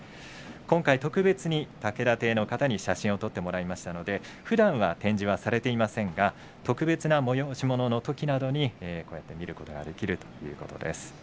今回、特別に竹田邸の方に写真を撮ってもらいましたのでふだんは展示はされていませんが特別な催し物のときなどにこうやって見ることができるということです。